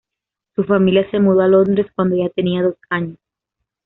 Su familia se mudó a Londres cuando ella tenía dos años.